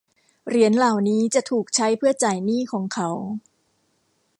เหรียญเหล่านี้จะถูกใช้เพื่อจ่ายหนี้ของเขา